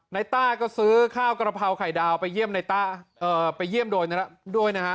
ต้าก็ซื้อข้าวกระเพราไข่ดาวไปเยี่ยมในต้าไปเยี่ยมโดยด้วยนะฮะ